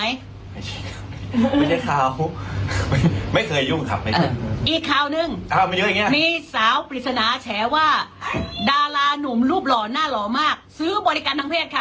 อีกข่าวปุ๊บสาวปริศนาแฉว่าดารานุ่มรูปหล่อหน้าหล่อมากซื้อบริการทางเพศค่ะ